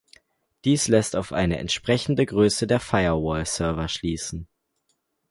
Dies lässt auf eine entsprechende Größe der Firewall-Server schließen.